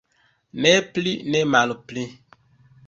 Ne pli, ne malpli.